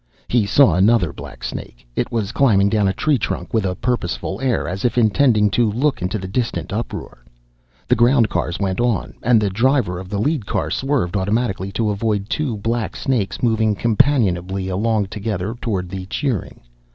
He saw another black snake. It was climbing down a tree trunk with a purposeful air, as if intending to look into the distant uproar. The ground cars went on, and the driver of the lead car swerved automatically to avoid two black snakes moving companionably along together toward the cheering.